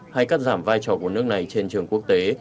hay cắt giảm vai trò của nước này trên trường quốc tế